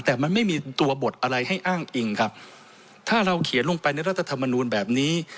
แต่มันไม่มีตัวบทอะไรให้อ้างอิงครับถ้าเราเขียนลงไปในรัฐธรรมนูลแบบนี้